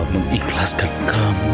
dan mengikhlaskan kamu